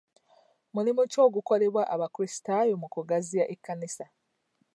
Mulimu ki ogukolebwa abakrisitaayo mu kugaziya ekkanisa?